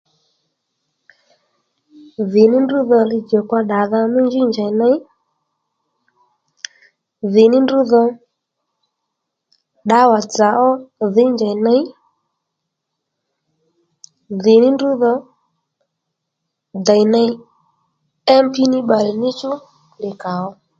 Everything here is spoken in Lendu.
Dhì ní ndrǔ dho li djòkpa ddàdha mí njí njèy ney dhì ní ndrǔ dho ddǎwà dzà ó dhǐy njèy ney dhì ní ndrǔ dho dèy ney MP ní bbalè ní chú li kà ó